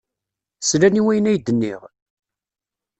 Slan i wayen ay d-nniɣ?